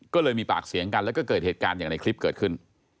ก็เลยมีปากเสียงกันแล้วก็เกิดเหตุการณ์อย่างในคลิปเกิดขึ้น